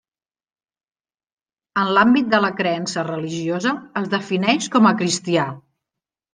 En l'àmbit de la creença religiosa es defineix com a cristià.